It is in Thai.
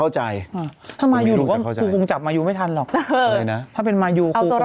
ฉันถามว่าทำไมจะไม่ออกมาเจอ